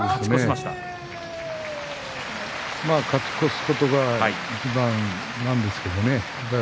まあ勝ち越すことがいちばんなんですけれどね。